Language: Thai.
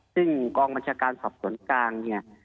ซึ่งกองบัญชาการสอบสวนกลางเนี่ย